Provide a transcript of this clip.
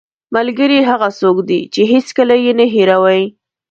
ملګری هغه څوک دی چې هېڅکله یې نه هېروې